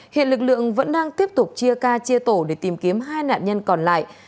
hiện lực lượng vẫn đang tiếp tục chia ca chia tổ để tìm kiếm hai nạn nhân còn lại